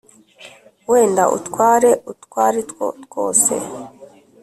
wenda utware utwo ari two twose